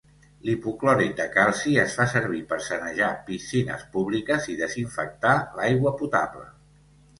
L'hipoclorit de calci es fa servir per sanejar piscines públiques i desinfectar l'aigua potable.